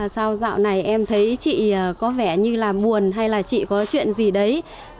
sau dạo này em thấy chị có vẻ như là buồn hay là chị có chuyện gì đấy